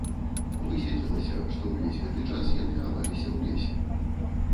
Высветлілася, што ўвесь гэты час яны хаваліся ў лесе.